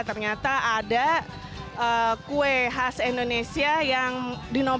ternyata ada kue khas indonesia yang dinobatkan